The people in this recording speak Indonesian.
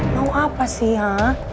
mau apa sih ha